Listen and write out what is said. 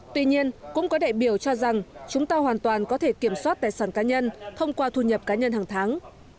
tuy nhiên cũng có đại biểu cho rằng chúng ta hoàn toàn có thể kiểm soát tài sản cá nhân thông qua thu nhập cá nhân hàng tháng